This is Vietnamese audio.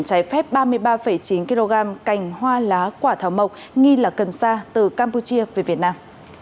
trái phép ba mươi ba chín kg cành hoa lá quả thảo mộc nghi là cần sa từ campuchia về việt nam